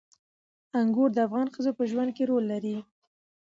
انګور د افغان ښځو په ژوند کې رول لري.